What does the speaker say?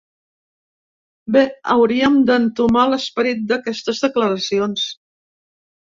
Bé, hauríem d’entomar l’esperit d’aquestes declaracions.